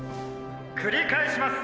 「くり返します。